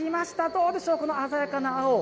どうでしょう、鮮やかな青。